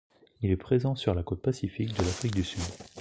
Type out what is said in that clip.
Il est présent sur la côte pacifique de l'Afrique du Sud.